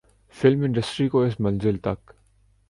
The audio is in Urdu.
فلم انڈسٹری کو اس منزل تک